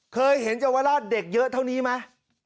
เคยเห็นเยาวราชเด็กเยอะเท่านี้ไหม